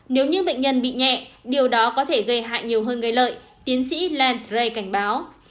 nếu những bệnh nhân bị nhẹ điều đó có thể gây hại nhiều hơn gây lợi tiến sĩ landray cảnh báo